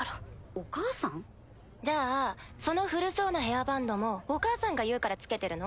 お母さん？じゃあその古そうなヘアバンドもお母さんが言うから着けてるの？